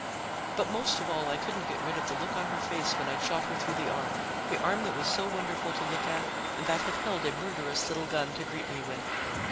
But most of all, I couldn't get rid of the look on her face when I'd shot her through the arm, the arm that was so wonderful to look at and that had held a murderous little gun to greet me with.